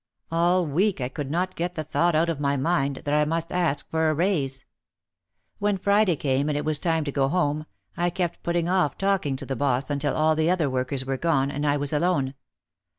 All week I could not get the thought out of my mind, that I must ask for a raise. When Friday came and it was time to go home I kept putting off talking to the boss until all the other workers were gone and I was alone.